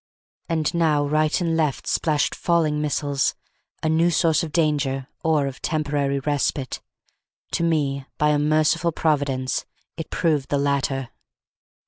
And now right and left splashed falling missiles; a new source of danger or of temporary respite; to me, by a merciful Providence, it proved the latter.